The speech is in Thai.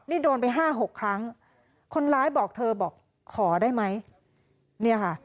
นี่โดนไปห้าหกครั้งคนร้ายบอกเธอบอกขอได้ไหมเนี่ยค่ะ